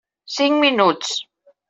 Cinc minuts.